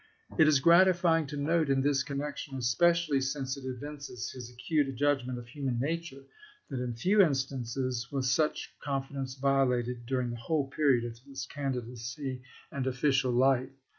It is gratifying to note in this connection, especially since it evinces his acute judgment of human nature, that in few instances was such con fidence violated during the whole period of his candidacy and official life.